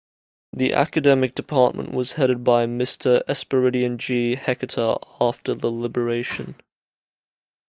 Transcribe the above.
The academic department was headed by Mr. Esperidion G. Heceta after the liberation.